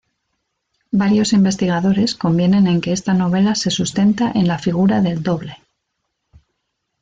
Varios investigadores convienen en que esta novela se sustenta en la figura del doble.